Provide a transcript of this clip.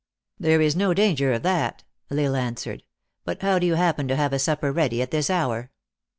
" There is no danger of that," L Isle answered. " But how do you happen to have a supper ready at this hour?"